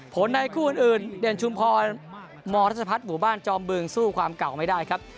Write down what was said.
ในคู่อื่นเด่นชุมพรมรัชพัฒน์หมู่บ้านจอมบึงสู้ความเก่าไม่ได้ครับ